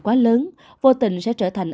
quá lớn vô tình sẽ trở thành